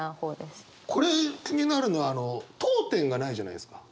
これ気になるのは読点がないじゃないですか。